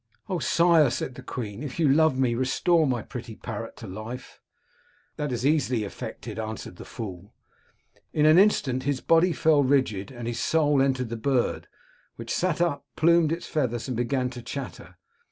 "* O sire,' said the queen, * if you love me, restore my pretty parrot to life.' "* That is easily effected,' answered the fool. " In an instant his body fell rigid, and his soul 242 King Robert of Sicily entered the bird, which sat up, plumed its feathers, and began to chatter.